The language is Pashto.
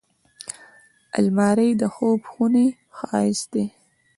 الماري د خوب خونې ښايست دی